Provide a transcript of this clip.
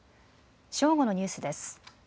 正午のニュースです。